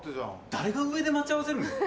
誰が上で待ち合わせるんだよ。